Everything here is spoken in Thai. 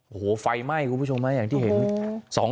โอ้โหไฟไหม้คุณผู้ชมอย่างที่เห็น